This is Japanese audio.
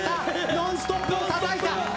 「ノンストップ！」をたたいた！